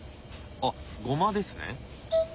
あっごまですね。